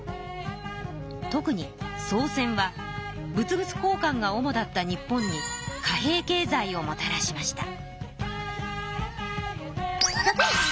特に宋銭は物々交かんがおもだった日本に貨幣経済をもたらしました。